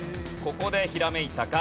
ここでひらめいたか？